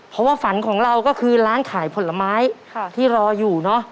เพราะว่าฝันของเราก็คือร้านขายผลไม้ที่รออยู่เนอะ